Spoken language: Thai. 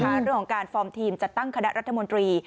เรื่องของการฟอร์มทีมจัดตั้งคณะรัฐมนตรี